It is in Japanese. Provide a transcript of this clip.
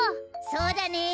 そうだねえ！